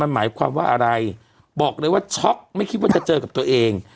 หมายความว่าอะไรบอกเลยว่าช็อกไม่คิดว่าจะเจอกับตัวเอง